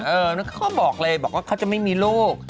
เขาบอกเลยบอกว่าเขาจะไม่มีลูก